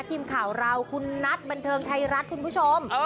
ทีมข่าวเราคุณนัทบันเทิงไทยรัฐคุณผู้ชม